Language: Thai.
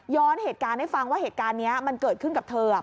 เหตุการณ์ให้ฟังว่าเหตุการณ์นี้มันเกิดขึ้นกับเธอ